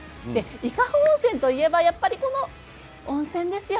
伊香保温泉といえばやっぱりこの温泉ですよ。